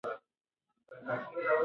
ایا سپین سرې به لښتې ته بښنه وکړي؟